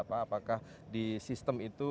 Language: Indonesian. apakah di sistem itu